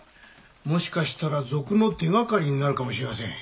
もしかしたら賊の手がかりになるかもしれません。